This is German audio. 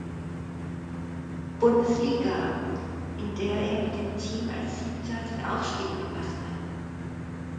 Bundesliga, in der er mit dem Team als Siebter den Aufstieg verpasste.